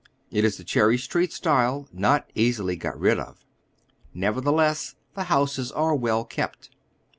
It is the Cherry Street style, not easily got rid of. Nevertheless, the houses are well kept.